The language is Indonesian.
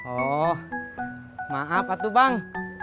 oh maaf atu bang